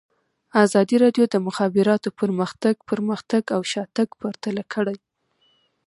ازادي راډیو د د مخابراتو پرمختګ پرمختګ او شاتګ پرتله کړی.